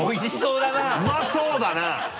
うまそうだな！